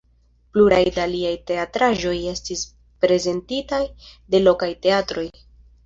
Pluraj da liaj teatraĵoj estis prezentitaj de lokaj teatroj.